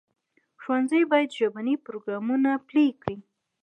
ښوونځي باید ژبني پروګرامونه پلي کړي.